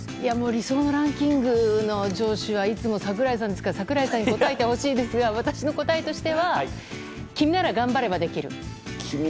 理想のランキングの上司は櫻井さんですから櫻井さんに答えてほしいですが私の答えとしては君なら頑張ればできる。